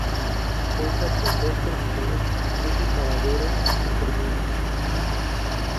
Cuenta con dos terminales y trece paraderos intermedios.